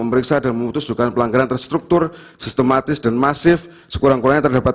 memeriksa dan memutuskan pelanggaran terstruktur sistematis dan masif sekurang kurangnya terdapat